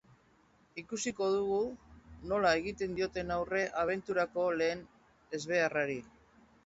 Ikusiko dugu nola egiten dioten aurre abenturako lehen ezbeharrari.